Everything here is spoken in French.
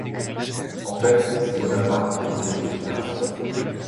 En fait, c'est Bonaparte qui dirige les opérations.